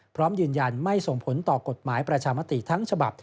พร้อมยืนยันไม่ส่งผลต่อกฎหมายประชามติทั้งฉบับ